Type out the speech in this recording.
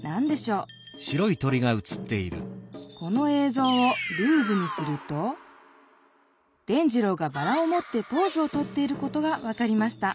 ぞうをルーズにすると伝じろうがバラをもってポーズをとっていることが分かりました。